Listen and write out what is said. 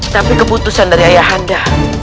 tapi keputusan dari ayahanda